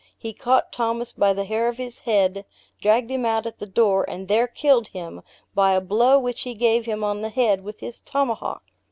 He caught Thomas by the hair of his head, dragged him out at the door and there killed him, by a blow which he gave him on the head with his tomahawk!